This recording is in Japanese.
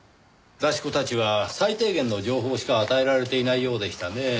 出し子たちは最低限の情報しか与えられていないようでしたねぇ。